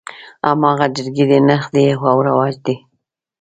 هماغه جرګې دي نرخ دى او رواج دى.